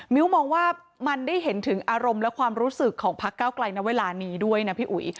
มองว่ามันได้เห็นถึงอารมณ์และความรู้สึกของพักเก้าไกลในเวลานี้ด้วยนะพี่อุ๋ย